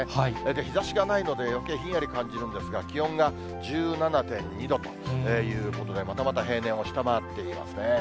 日ざしがないのでよけいひんやり感じるんですが、気温が１７．２度ということで、またまた平年を下回っていますね。